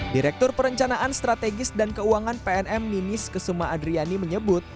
direktur perencanaan strategis dan keuangan pnm ninis kesuma adriani menyebut